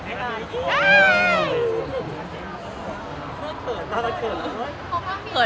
เอาเรื่องต่อไป